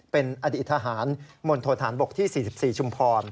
เป็นอดีตทหารหม่นโทษฐานบกที่สี่สิบสี่ชุมพร